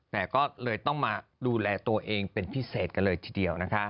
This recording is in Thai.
แต่ก็เลยต้องมาดูแลตัวเองเป็นพิเศษกันเลยทีเดียวนะคะ